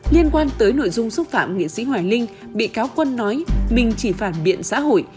liên quan tới nội dung xúc phạm nghệ sĩ hoài linh bị cáo quân nói mình chỉ phản biện xã hội